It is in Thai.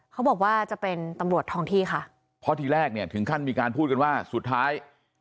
เขาบอกว่าจะเป็นตำรวจทองที่ค่ะเพราะทีแรกเนี่ยถึงขั้นมีการพูดกันว่าสุดท้าย